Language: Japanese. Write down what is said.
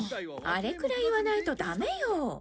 あれくらい言わないとダメよ。